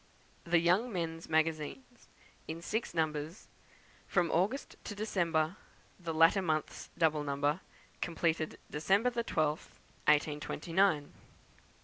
The Young Men's Magazines, in Six Numbers, from August to December, the latter months double number, completed December the 12th, 1829.